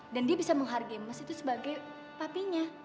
dan dia bisa menghargai mas itu sebagai papinya